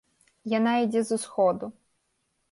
Яна ідзе з усходу.